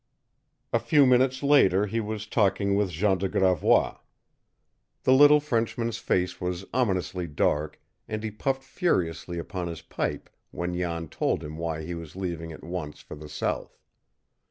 A few minutes later he was talking with Jean de Gravois. The little Frenchman's face was ominously dark, and he puffed furiously upon his pipe when Jan told him why he was leaving at once for the South.